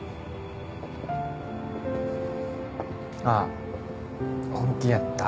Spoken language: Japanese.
ああ本気やった。